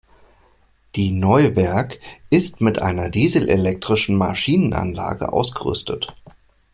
Die "Neuwerk" ist mit einer dieselelektrischen Maschinenanlage ausgerüstet.